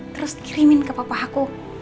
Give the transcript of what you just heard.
terus kirimin ke papa aku